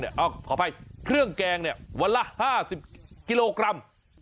เอาขออภัยเครื่องแกงเนี่ยวันละ๕๐กิโลกรัม